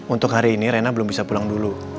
untuk hari ini rena belum bisa pulang dulu